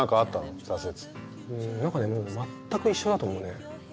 何かねもう全く一緒だと思うね。